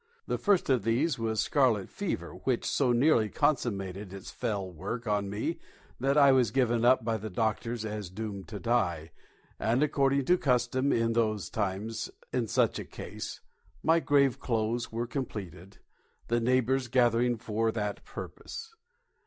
The first of these was scarlet fever, which so nearly consummated its fell work on me that I was given up by the doctors as doomed to die, and, according to custom in those times in such a case, my grave clothes were completed, the neighbours gathering for that purpose.